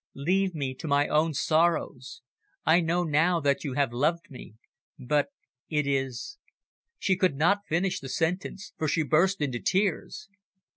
Leave me to my own sorrows. I know now that you have loved me, but it is " She could not finish the sentence, for she burst into tears.